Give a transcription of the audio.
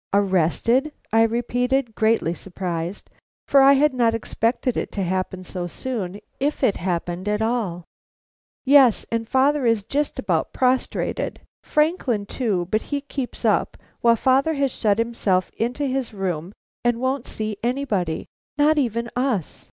"Arrested!" I repeated, greatly surprised, for I had not expected it to happen so soon, if it happened at all. "Yes, and father is just about prostrated. Franklin, too, but he keeps up, while father has shut himself into his room and won't see anybody, not even us.